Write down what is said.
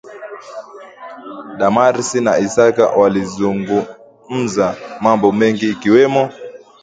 Damaris na Isaka walizungumza mambo mengi ikiwemo